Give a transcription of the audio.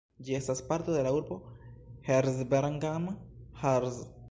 Ĝi estas parto de la urbo Herzberg am Harz.